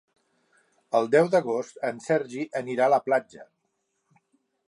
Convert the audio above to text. El deu d'agost en Sergi anirà a la platja.